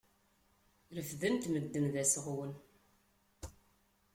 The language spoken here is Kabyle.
Refden-t medden d aseɣwen.